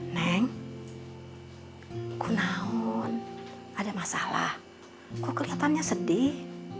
neng gue naun ada masalah gue kelihatannya sedih